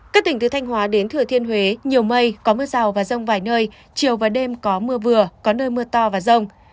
các tỉnh từ thanh hóa đến thừa thiên huế nhiều mây có mưa rào và rông vài nơi chiều và đêm có mưa vừa có nơi mưa to và rông